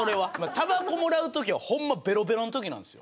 たばこもらう時はホンマベロベロの時なんですよ。